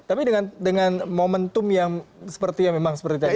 tapi dengan momentum yang seperti yang memang seperti tadi